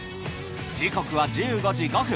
時刻は１５時５分。